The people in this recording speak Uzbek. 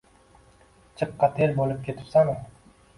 Jiqqa ter bo‘lib ketibsan-u